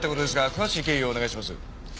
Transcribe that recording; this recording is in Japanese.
詳しい経緯をお願いします。